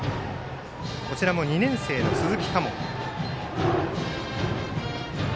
こちらも２年生の鈴木佳門。